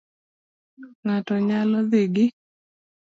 Ng'ato nyalo dhi gi